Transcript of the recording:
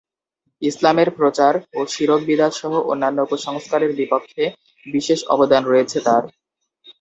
ইসলামের প্রচার ও শিরক-বিদাত সহ অন্যান্য কুসংস্কারের বিপক্ষে বিশেষ অবদান রয়েছে তার।